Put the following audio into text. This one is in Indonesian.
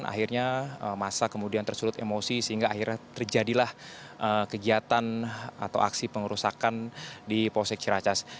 akhirnya masa kemudian tersulut emosi sehingga akhirnya terjadilah kegiatan atau aksi pengerusakan di polsek ciracas